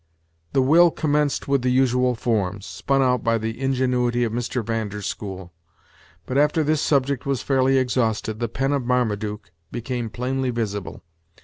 The will commenced with the usual forms, spun out by the ingenuity of Mr. Van der School: but, after this subject was fairly exhausted, the pen of Marmaduke became plainly visible.